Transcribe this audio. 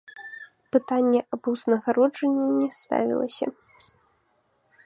Пытанне аб узнагароджанні не ставілася.